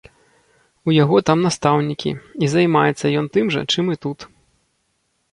У яго там настаўнікі, і займаецца ён тым жа, чым і тут.